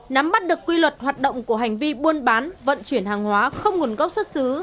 nắm bắt được quy luật hoạt động của hành vi buôn bán vận chuyển hàng hóa không nguồn gốc xuất xứ